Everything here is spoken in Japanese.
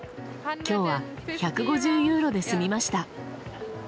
今日は１５０ユーロで済みました。